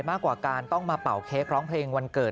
มากกว่าการต้องมาเป่าเค้กร้องเพลงวันเกิด